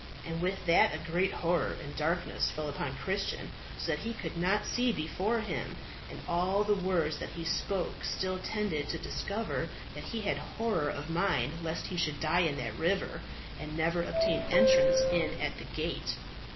And with that a great horror and darkness fell upon Christian, so that he could not see before him; and all the words that he spoke still tended to discover that he had horror of mind lest he should die in that river and never obtain entrance in at the gate.